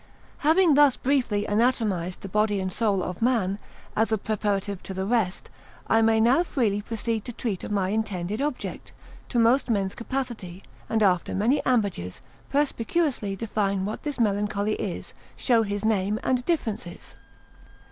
Having thus briefly anatomised the body and soul of man, as a preparative to the rest; I may now freely proceed to treat of my intended object, to most men's capacity; and after many ambages, perspicuously define what this melancholy is, show his name and differences.